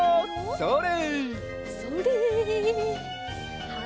それ！